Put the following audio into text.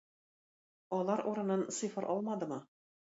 Алар урынын "цифр" алмадымы?